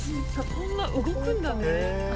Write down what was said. こんな動くんだね。